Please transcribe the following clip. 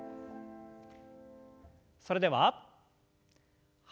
それでははい。